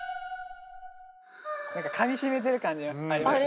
何かかみ締めてる感じありますね。